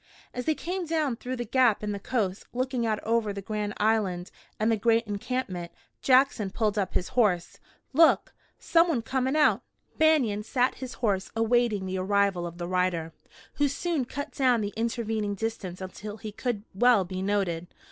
As they came down through the gap in the Coasts, looking out over the Grand Island and the great encampment, Jackson pulled up his horse. "Look! Someone comin' out!" Banion sat his horse awaiting the arrival of the rider, who soon cut down the intervening distance until he could well be noted.